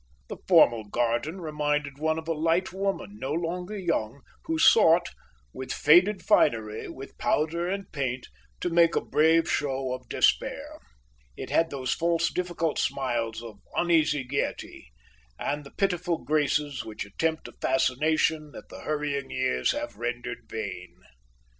The formal garden reminded one of a light woman, no longer young, who sought, with faded finery, with powder and paint, to make a brave show of despair. It had those false, difficult smiles of uneasy gaiety, and the pitiful graces which attempt a fascination that the hurrying years have rendered vain.